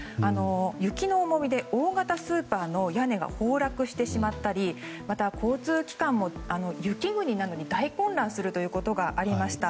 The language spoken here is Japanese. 雪の重みで大型スーパーの屋根が崩落してしまったりまた、交通機関も雪国なのに大混乱するということがありました。